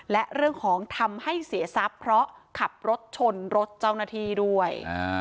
และเรื่องของทำให้เสียทรัพย์เพราะขับรถชนรถเจ้าหน้าที่ด้วย